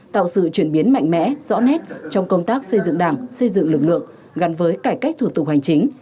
tạo sự chuyển biến mạnh mẽ rõ nét trong công tác xây dựng đảng xây dựng lực lượng gắn với cải cách thủ tục hành chính